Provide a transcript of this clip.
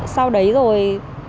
sau đấy rồi